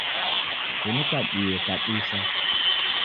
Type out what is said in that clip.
Kunikabie kabusa.